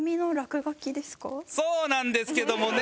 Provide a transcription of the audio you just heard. そうなんですけどもね。